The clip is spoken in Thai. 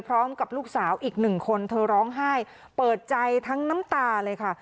พร้อมกับลูกสาวอีกหนึ่งคนเธอร้องไห้เปิดใจทั้งน้ำตาเลยค่ะ